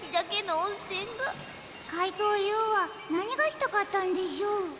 かいとうＵはなにがしたかったんでしょう？